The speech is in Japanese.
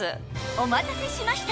お待たせしました！